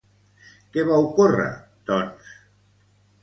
Què va ocórrer, doncs?